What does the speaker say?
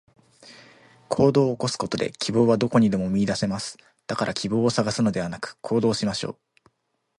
行動を起こすことで、希望はどこにでも見いだせます。だから希望を探すのではなく、行動しましょう。